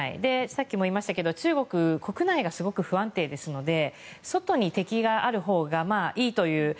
さっきも言いましたけど中国国内がすごく不安定ですので外に敵があるほうがいいという。